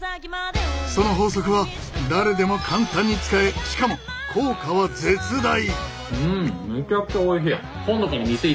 その法則は誰でも簡単に使えしかも効果は絶大。